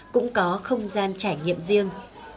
cũng có không gian trải nghiệm riêng